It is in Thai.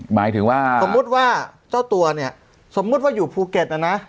หมายถึงว่าสมมุติว่าเจ้าตัวเนี่ยสมมุติว่าอยู่ภูเก็ตนะนะ